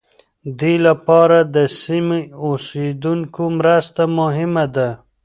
دې لپاره د سیمو اوسېدونکو مرسته مهمه ده.